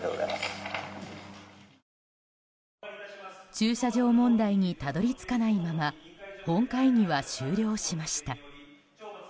駐車場問題にたどり着かないまま本会議は終了しました。